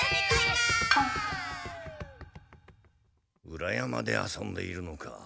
裏山で遊んでいるのか。